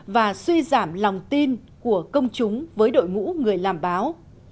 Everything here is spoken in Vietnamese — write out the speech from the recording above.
và suy giảm lòng tin của công chúng với đội ngũ người làm báo